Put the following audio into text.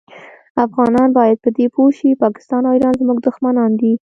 افغانان باید په دي پوه شي پاکستان او ایران زمونږ دوښمنان دي